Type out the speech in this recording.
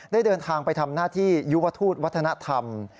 เดินทางไปทำหน้าที่ยุวทูตวัฒนธรรม